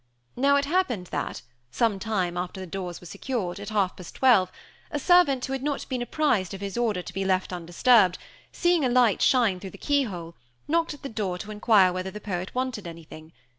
"Now it happened that, some time after the doors were secured, at half past twelve, a servant who had not been apprised of his order to be left undisturbed, seeing a light shine through the key hole, knocked at the door to inquire whether the poet wanted anything.